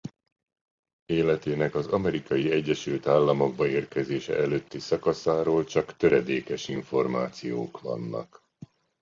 Életének az Amerikai Egyesült Államokba érkezése előtti szakaszáról csak töredékes információk vannak.